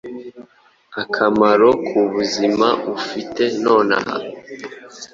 akamaro ku buzima ufite nonaha